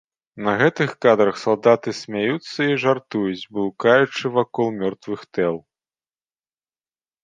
На гэтых кадрах салдаты смяюцца і жартуюць, блукаючы вакол мёртвых тэл.